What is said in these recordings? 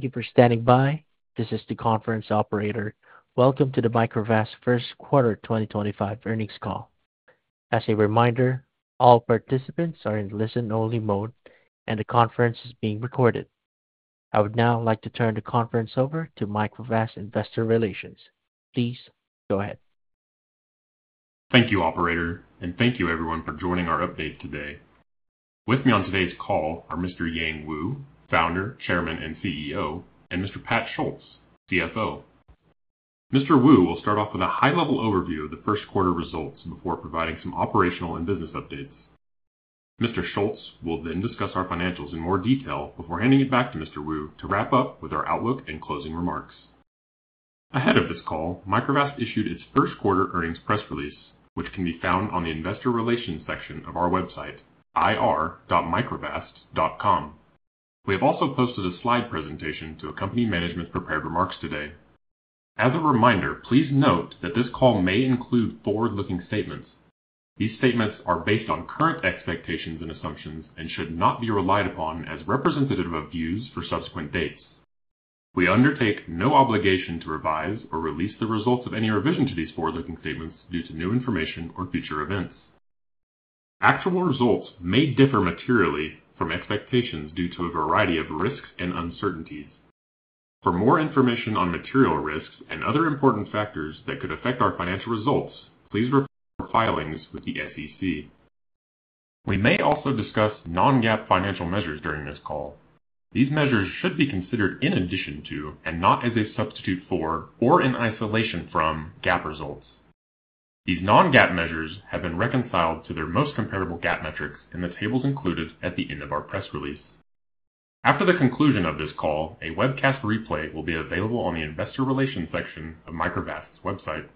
Thank you for standing by. This is the conference operator. Welcome to the Microvast First Quarter 2025 earnings call. As a reminder, all participants are in listen-only mode, and the conference is being recorded. I would now like to turn the conference over to Microvast Investor Relations. Please go ahead. Thank you, Operator, and thank you, everyone, for joining our update today. With me on today's call are Mr. Yang Wu, Founder, Chairman, and CEO, and Mr. Pat Schultz, CFO. Mr. Wu will start off with a high-level overview of the first quarter results before providing some operational and business updates. Mr. Schultz will then discuss our financials in more detail before handing it back to Mr. Wu to wrap up with our outlook and closing remarks. Ahead of this call, Microvast issued its first quarter earnings press release, which can be found on the Investor Relations section of our website, ir.microvast.com. We have also posted a slide presentation to accompany management's prepared remarks today. As a reminder, please note that this call may include forward-looking statements. These statements are based on current expectations and assumptions and should not be relied upon as representative of views for subsequent dates. We undertake no obligation to revise or release the results of any revision to these forward-looking statements due to new information or future events. Actual results may differ materially from expectations due to a variety of risks and uncertainties. For more information on material risks and other important factors that could affect our financial results, please refer to our filings with the SEC. We may also discuss non-GAAP financial measures during this call. These measures should be considered in addition to, and not as a substitute for, or in isolation from, GAAP results. These non-GAAP measures have been reconciled to their most comparable GAAP metrics in the tables included at the end of our press release. After the conclusion of this call, a webcast replay will be available on the Investor Relations section of Microvast's website.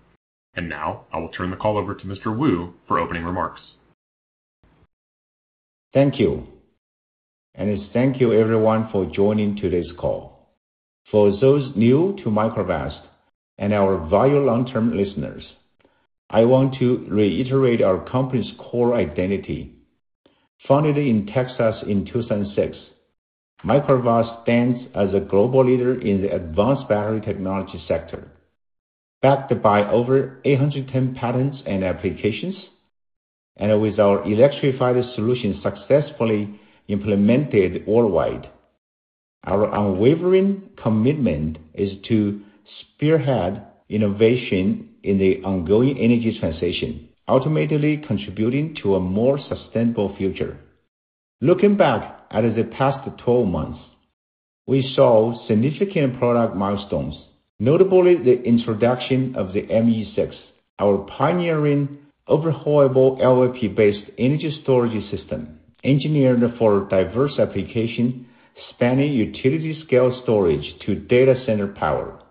I will now turn the call over to Mr. Wu for opening remarks. Thank you. Thank you, everyone, for joining today's call. For those new to Microvast and our valuable long-term listeners, I want to reiterate our company's core identity. Founded in Texas in 2006, Microvast stands as a global leader in the advanced battery technology sector, backed by over 810 patents and applications, and with our electrified solutions successfully implemented worldwide. Our unwavering commitment is to spearhead innovation in the ongoing energy transition, ultimately contributing to a more sustainable future. Looking back at the past 12 months, we saw significant product milestones, notably the introduction of the ME6, our pioneering overhaulable LFP-based energy storage system, engineered for diverse applications, spanning utility-scale storage to data center power.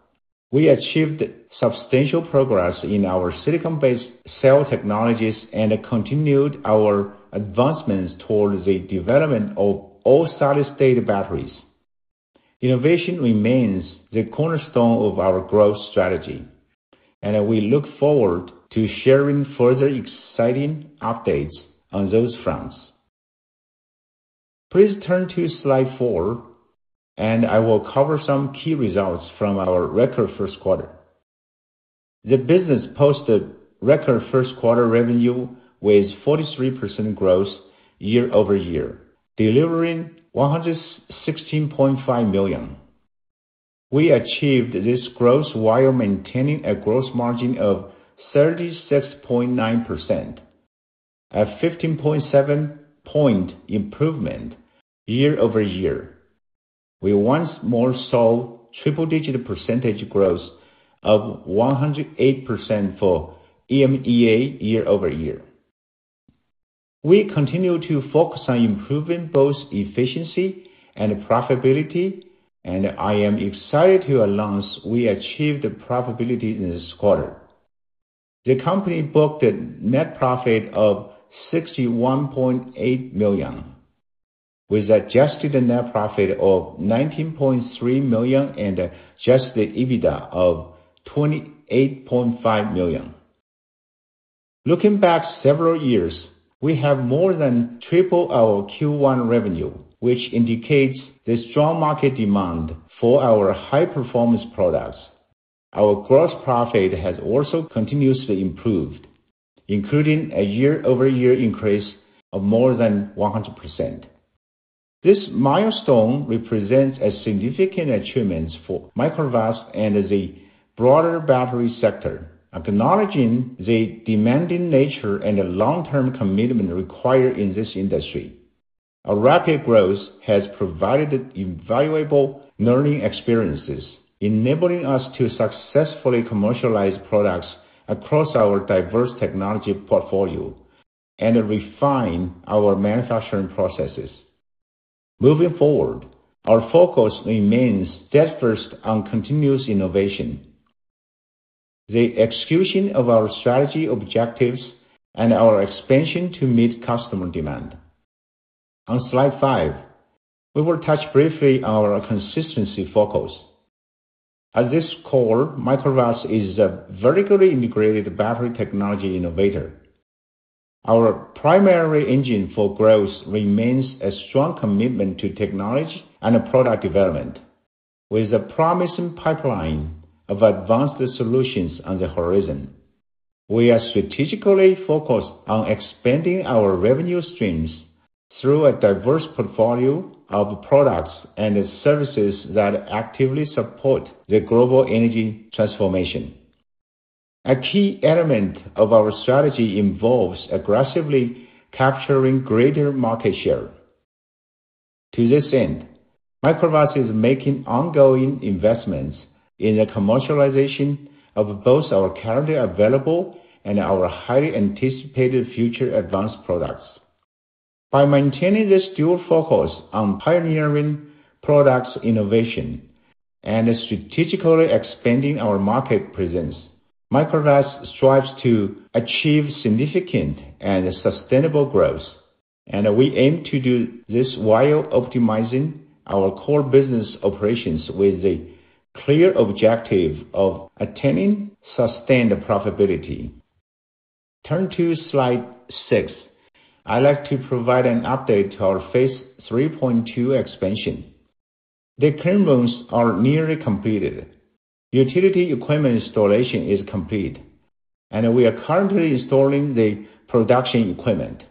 We achieved substantial progress in our silicon-based cell technologies and continued our advancements towards the development of all-solid-state batteries. Innovation remains the cornerstone of our growth strategy, and we look forward to sharing further exciting updates on those fronts. Please turn to slide four, and I will cover some key results from our record first quarter. The business posted record first quarter revenue with 43% growth year-over-year, delivering $116.5 million. We achieved this growth while maintaining a gross margin of 36.9%, a 15.7 percentage point improvement year-over-year. We once more saw triple-digit percentage growth of 108% for EMEA year-over-year. We continue to focus on improving both efficiency and profitability, and I am excited to announce we achieved profitability in this quarter. The company booked a net profit of $61.8 million, with adjusted net profit of $19.3 million and adjusted EBITDA of $28.5 million. Looking back several years, we have more than tripled our Q1 revenue, which indicates the strong market demand for our high-performance products. Our gross profit has also continuously improved, including a year-over-year increase of more than 100%. This milestone represents a significant achievement for Microvast and the broader battery sector, acknowledging the demanding nature and long-term commitment required in this industry. Our rapid growth has provided invaluable learning experiences, enabling us to successfully commercialize products across our diverse technology portfolio and refine our manufacturing processes. Moving forward, our focus remains steadfast on continuous innovation, the execution of our strategy objectives, and our expansion to meet customer demand. On slide five, we will touch briefly on our consistency focus. At its core, Microvast is a vertically integrated battery technology innovator. Our primary engine for growth remains a strong commitment to technology and product development, with a promising pipeline of advanced solutions on the horizon. We are strategically focused on expanding our revenue streams through a diverse portfolio of products and services that actively support the global energy transformation. A key element of our strategy involves aggressively capturing greater market share. To this end, Microvast is making ongoing investments in the commercialization of both our currently available and our highly anticipated future advanced products. By maintaining this dual focus on pioneering product innovation and strategically expanding our market presence, Microvast strives to achieve significant and sustainable growth, and we aim to do this while optimizing our core business operations with the clear objective of attaining sustained profitability. Turn to slide six. I'd like to provide an update to our phase 3.2 expansion. The cleanrooms are nearly completed. Utility equipment installation is complete, and we are currently installing the production equipment.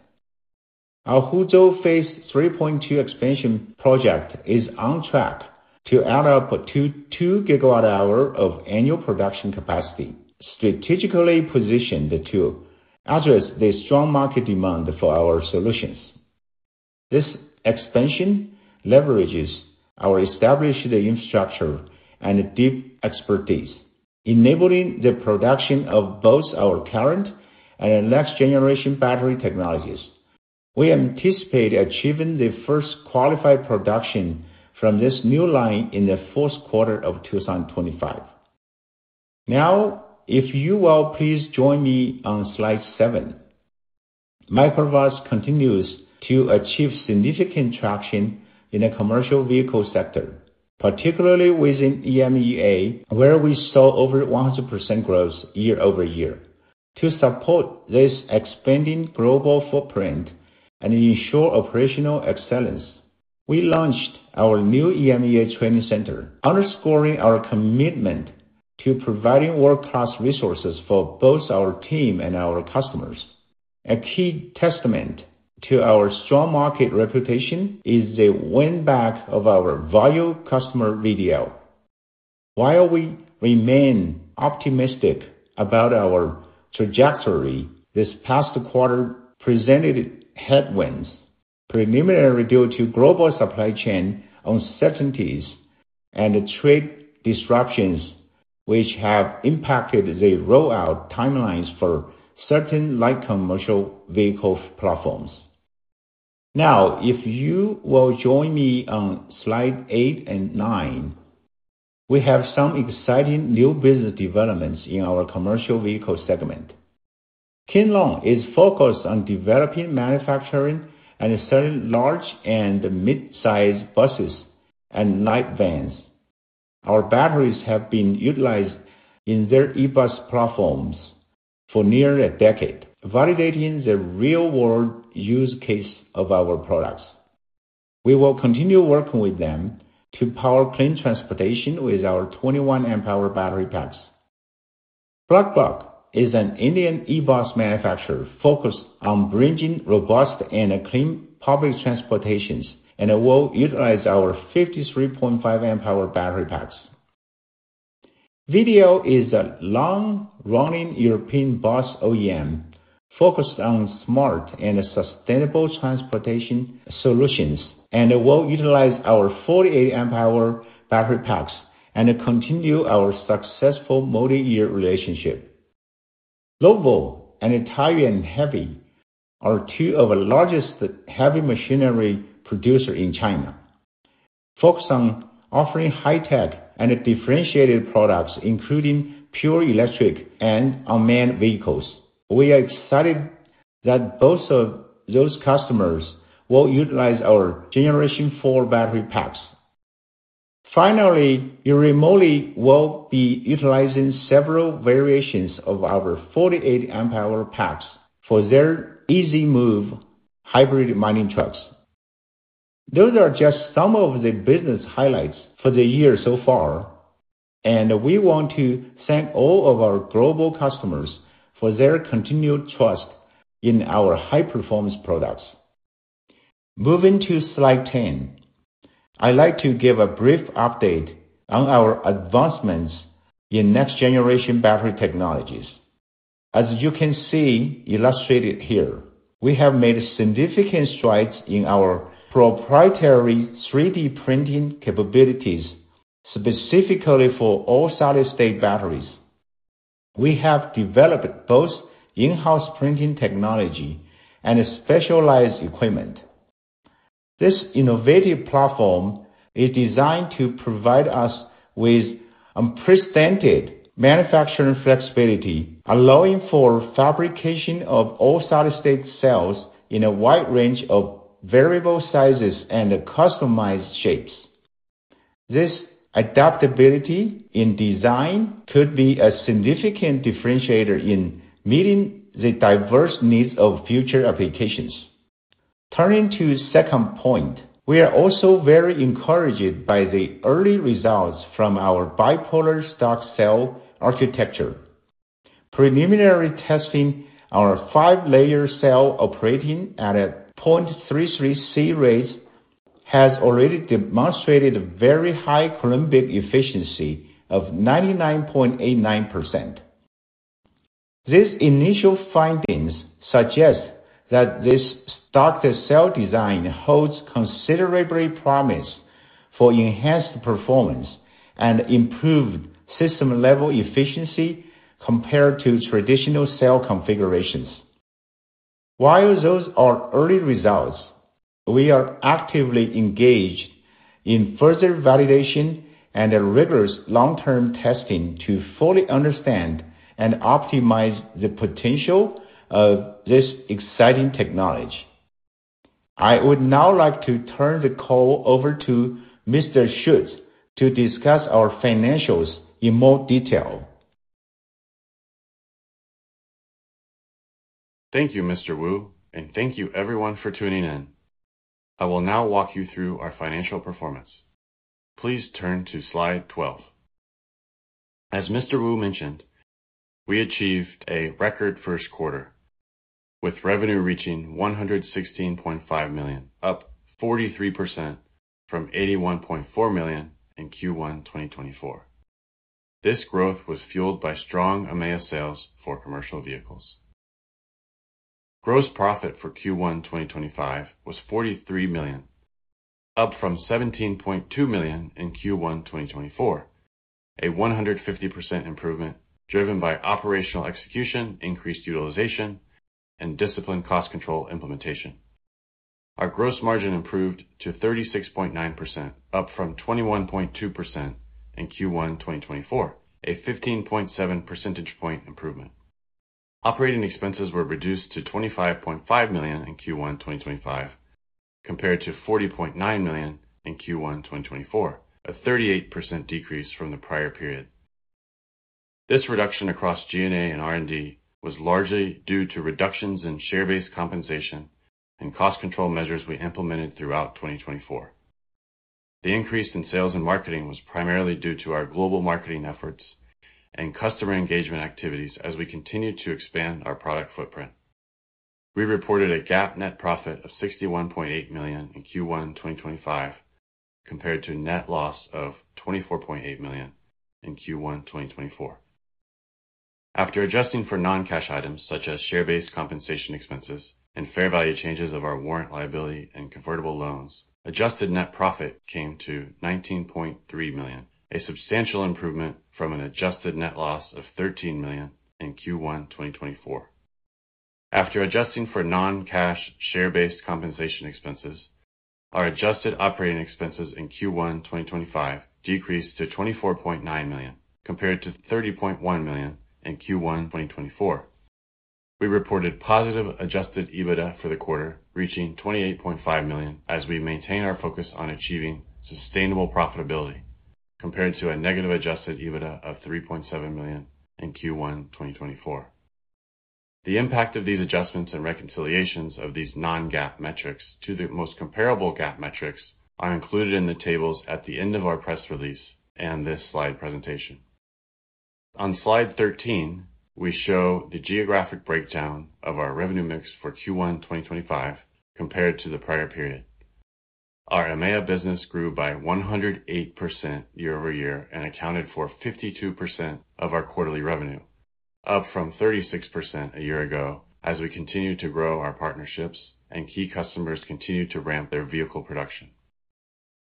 Our Huzhou phase 3.2 expansion project is on track to add up to 2 GWh of annual production capacity, strategically positioned to address the strong market demand for our solutions. This expansion leverages our established infrastructure and deep expertise, enabling the production of both our current and next-generation battery technologies. We anticipate achieving the first qualified production from this new line in the fourth quarter of 2025. Now, if you will, please join me on slide seven. Microvast continues to achieve significant traction in the commercial vehicle sector, particularly within EMEA, where we saw over 100% growth year-over-year. To support this expanding global footprint and ensure operational excellence, we launched our new EMEA training center, underscoring our commitment to providing world-class resources for both our team and our customers. A key testament to our strong market reputation is the win-back of our valuable customer VDL. While we remain optimistic about our trajectory, this past quarter presented headwinds, preliminarily due to global supply chain uncertainties and trade disruptions, which have impacted the rollout timelines for certain light commercial vehicle platforms. Now, if you will join me on slide eight and nine, we have some exciting new business developments in our commercial vehicle segment. King Long is focused on developing, manufacturing, and selling large and mid-size buses and light vans. Our batteries have been utilized in their e-bus platforms for nearly a decade, validating the real-world use case of our products. We will continue working with them to power clean transportation with our 21 amp-hour battery packs. Blackbuckis an Indian e-bus manufacturer focused on bridging robust and clean public transportation and will utilize our 53.5 amp-hour battery packs. VDL is a long-running European bus OEM focused on smart and sustainable transportation solutions and will utilize our 48 amp-hour battery packs and continue our successful multi-year relationship. Lovol and Taiyuan Heavy are two of the largest heavy machinery producers in China, focused on offering high-tech and differentiated products, including pure electric and unmanned vehicles. We are excited that both of those customers will utilize our Generation 4 battery packs. Finally, IRIMOLY will be utilizing several variations of our 48 amp-hour packs for their Easy Move hybrid mining trucks. Those are just some of the business highlights for the year so far, and we want to thank all of our global customers for their continued trust in our high-performance products. Moving to slide 10, I'd like to give a brief update on our advancements in next-generation battery technologies. As you can see illustrated here, we have made significant strides in our proprietary 3D printing capabilities, specifically for all-solid-state batteries. We have developed both in-house printing technology and specialized equipment. This innovative platform is designed to provide us with unprecedented manufacturing flexibility, allowing for fabrication of all-solid-state cells in a wide range of variable sizes and customized shapes. This adaptability in design could be a significant differentiator in meeting the diverse needs of future applications. Turning to the second point, we are also very encouraged by the early results from our bipolar stack cell architecture. Preliminary testing, our five-layer cell operating at a 0.33C rate has already demonstrated a very high Coulombic efficiency of 99.89%. These initial findings suggest that this stack cell design holds considerable promise for enhanced performance and improved system-level efficiency compared to traditional cell configurations. While those are early results, we are actively engaged in further validation and rigorous long-term testing to fully understand and optimize the potential of this exciting technology. I would now like to turn the call over to Mr. Schultz to discuss our financials in more detail. Thank you, Mr. Wu, and thank you, everyone, for tuning in. I will now walk you through our financial performance. Please turn to slide 12. As Mr. Wu mentioned, we achieved a record first quarter, with revenue reaching $116.5 million, up 43% from $81.4 million in Q1 2024. This growth was fueled by strong EMEA sales for commercial vehicles. Gross profit for Q1 2025 was $43 million, up from $17.2 million in Q1 2024, a 150% improvement driven by operational execution, increased utilization, and disciplined cost control implementation. Our gross margin improved to 36.9%, up from 21.2% in Q1 2024, a 15.7 percentage point improvement. Operating expenses were reduced to $25.5 million in Q1 2025 compared to $40.9 million in Q1 2024, a 38% decrease from the prior period. This reduction across G&A and R&D was largely due to reductions in share-based compensation and cost control measures we implemented throughout 2024. The increase in sales and marketing was primarily due to our global marketing efforts and customer engagement activities as we continue to expand our product footprint. We reported a GAAP net profit of $61.8 million in Q1 2025 compared to net loss of $24.8 million in Q1 2024. After adjusting for non-cash items such as share-based compensation expenses and fair value changes of our warrant liability and convertible loans, adjusted net profit came to $19.3 million, a substantial improvement from an adjusted net loss of $13 million in Q1 2024. After adjusting for non-cash share-based compensation expenses, our adjusted operating expenses in Q1 2025 decreased to $24.9 million compared to $30.1 million in Q1 2024. We reported positive adjusted EBITDA for the quarter, reaching $28.5 million as we maintain our focus on achieving sustainable profitability compared to a negative adjusted EBITDA of $3.7 million in Q1 2024. The impact of these adjustments and reconciliations of these non-GAAP metrics to the most comparable GAAP metrics are included in the tables at the end of our press release and this slide presentation. On slide 13, we show the geographic breakdown of our revenue mix for Q1 2025 compared to the prior period. Our EMEA business grew by 108% year-over-year and accounted for 52% of our quarterly revenue, up from 36% a year ago as we continue to grow our partnerships and key customers continue to ramp their vehicle production.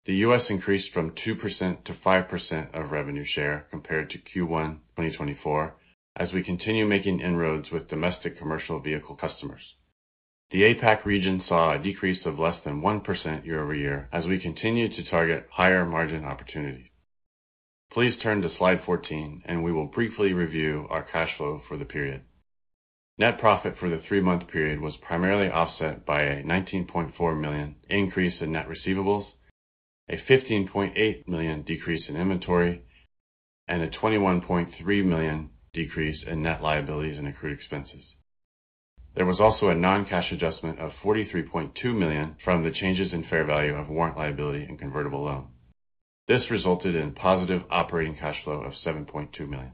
The U.S. increased from 2% to 5% of revenue share compared to Q1 2024 as we continue making inroads with domestic commercial vehicle customers. The APAC region saw a decrease of less than 1% year-over-year as we continue to target higher margin opportunities. Please turn to slide 14, and we will briefly review our cash flow for the period. Net profit for the three-month period was primarily offset by a $19.4 million increase in net receivables, a $15.8 million decrease in inventory, and a $21.3 million decrease in net liabilities and accrued expenses. There was also a non-cash adjustment of $43.2 million from the changes in fair value of warrant liability and convertible loan. This resulted in a positive operating cash flow of $7.2 million.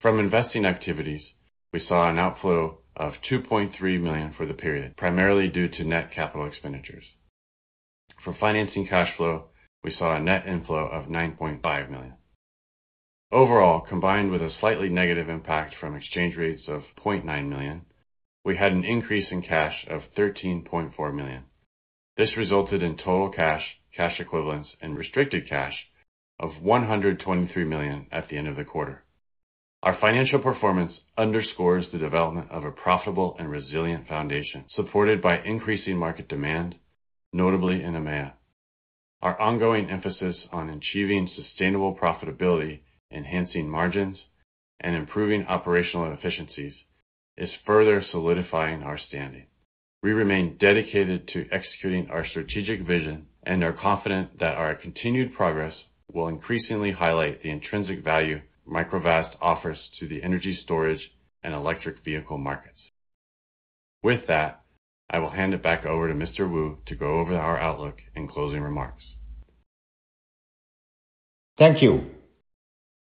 From investing activities, we saw an outflow of $2.3 million for the period, primarily due to net capital expenditures. For financing cash flow, we saw a net inflow of $9.5 million. Overall, combined with a slightly negative impact from exchange rates of $0.9 million, we had an increase in cash of $13.4 million. This resulted in total cash, cash equivalents, and restricted cash of $123 million at the end of the quarter. Our financial performance underscores the development of a profitable and resilient foundation supported by increasing market demand, notably in EMEA. Our ongoing emphasis on achieving sustainable profitability, enhancing margins, and improving operational efficiencies is further solidifying our standing. We remain dedicated to executing our strategic vision and are confident that our continued progress will increasingly highlight the intrinsic value Microvast offers to the energy storage and electric vehicle markets. With that, I will hand it back over to Mr. Wu to go over our outlook and closing remarks. Thank you.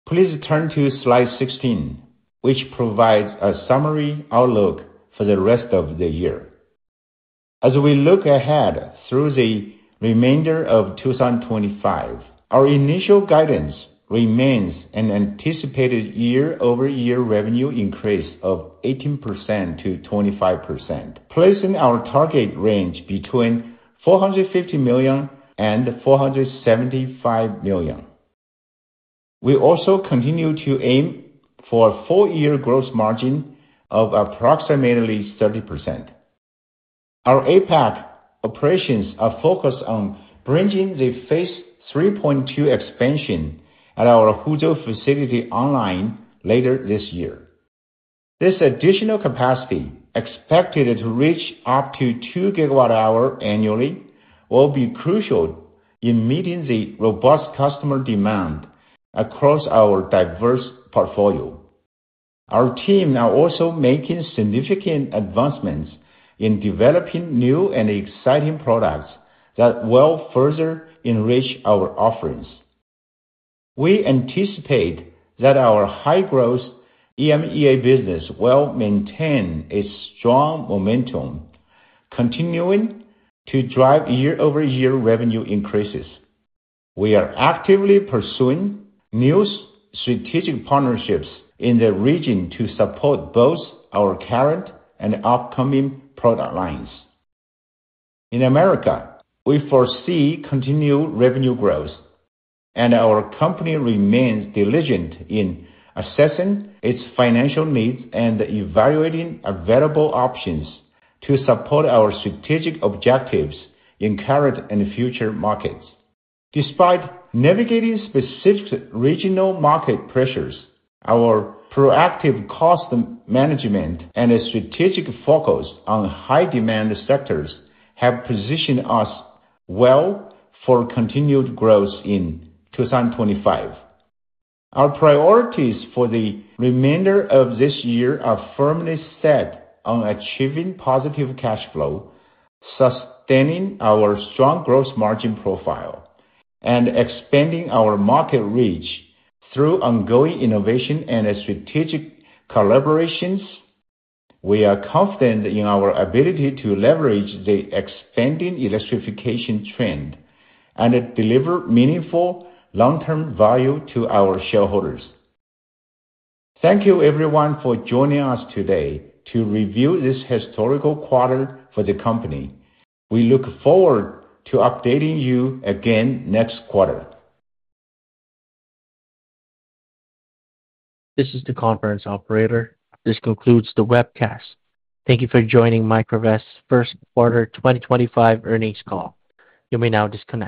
Please turn to slide 16, which provides a summary outlook for the rest of the year. As we look ahead through the remainder of 2025, our initial guidance remains an anticipated year-over-year revenue increase of 18%-25%, placing our target range between $450 million and $475 million. We also continue to aim for a four-year gross margin of approximately 30%. Our APAC operations are focused on bringing the phase 3.2 expansion at our Huzhou facility online later this year. This additional capacity, expected to reach up to 2 GWh annually, will be crucial in meeting the robust customer demand across our diverse portfolio. Our team is also making significant advancements in developing new and exciting products that will further enrich our offerings. We anticipate that our high-growth EMEA business will maintain its strong momentum, continuing to drive year-over-year revenue increases. We are actively pursuing new strategic partnerships in the region to support both our current and upcoming product lines. In America, we foresee continued revenue growth, and our company remains diligent in assessing its financial needs and evaluating available options to support our strategic objectives in current and future markets. Despite navigating specific regional market pressures, our proactive cost management and strategic focus on high-demand sectors have positioned us well for continued growth in 2025. Our priorities for the remainder of this year are firmly set on achieving positive cash flow, sustaining our strong gross margin profile, and expanding our market reach through ongoing innovation and strategic collaborations. We are confident in our ability to leverage the expanding electrification trend and deliver meaningful long-term value to our shareholders. Thank you, everyone, for joining us today to review this historical quarter for the company. We look forward to updating you again next quarter. This is the conference operator. This concludes the webcast. Thank you for joining Microvast's first quarter 2025 earnings call. You may now disconnect.